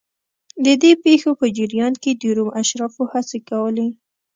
د دې پېښو په جریان کې د روم اشرافو هڅې کولې